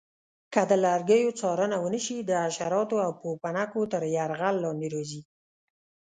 که د لرګیو څارنه ونه شي د حشراتو او پوپنکو تر یرغل لاندې راځي.